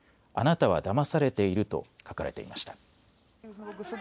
あなたはだまされていると書かれていました。